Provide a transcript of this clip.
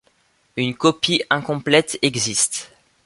Une copie incomplète existe.